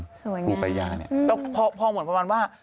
สวยอย่างนั้นปูประญาเนี่ยแล้วพอเหมือนประมาณว่า